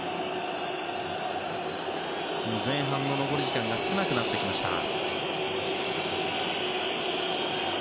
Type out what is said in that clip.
前半の残り時間が少なくなってきました。